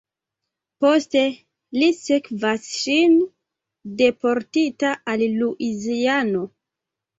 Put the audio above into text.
Poste li sekvas ŝin, deportita al Luiziano.